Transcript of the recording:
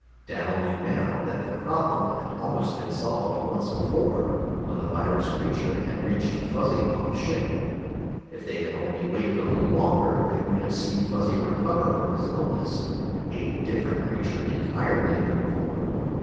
Dal knew now that the problem had almost been solved once before, when the virus creature had reached Fuzzy on the ship; if they had only waited a little longer they would have seen Fuzzy recover from his illness a different creature entirely than before.